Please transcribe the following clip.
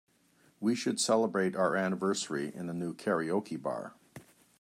We should celebrate our anniversary in the new karaoke bar.